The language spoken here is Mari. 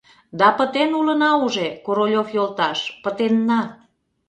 Да пытен улына уже, Королёв йолташ, пытенна.